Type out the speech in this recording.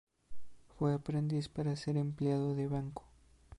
Fue aprendiz para ser empleado de banco.